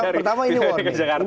pertama ini warning